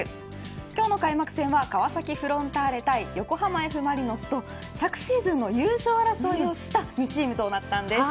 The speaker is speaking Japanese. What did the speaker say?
今日の開幕戦は川崎フロンターレ対横浜Ｆ・マリノスと昨シーズンの優勝争いをした２チームとなったんです。